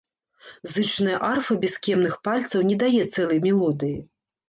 Зычная арфа без кемных пальцаў не дае цэлай мелодыі.